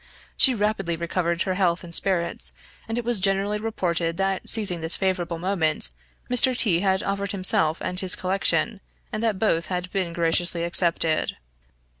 She rapidly recovered her health and spirits, and it was generally reported that seizing this favorable moment, Mr. T had offered himself and his collection, and that both had been graciously accepted.